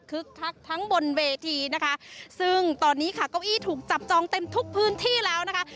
คักทั้งบนเวทีนะคะซึ่งตอนนี้ค่ะเก้าอี้ถูกจับจองเต็มทุกพื้นที่แล้วนะคะ